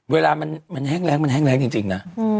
เวลามันแห้งแรงจริงนะ